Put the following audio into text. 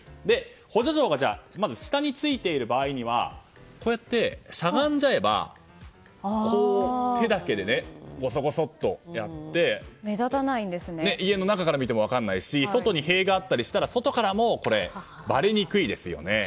補助錠が下についている場合にはこうやってしゃがんじゃえば手だけでごそごそとやって家の中から見ても分からないし外に塀があったりしたら外からもばれにくいですよね。